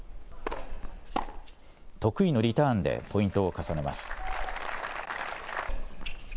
得意のリターンでポイントを重ねます。